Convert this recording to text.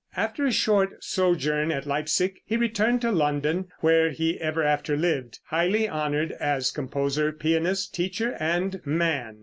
After a short sojourn at Leipsic he returned to London, where he ever after lived, highly honored as composer, pianist, teacher and man.